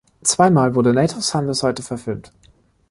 Zwei Mal wurde "Native Son" bis heute verfilmt.